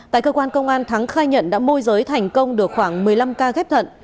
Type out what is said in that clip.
tại cơ quan công an thắng khai nhận đã môi giới thành công được khoảng một mươi năm ca ghép thận